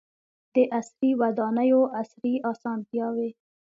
• د عصري ودانیو عصري اسانتیاوې.